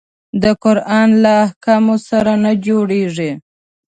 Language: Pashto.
د قرآن له احکامو سره نه جوړیږي.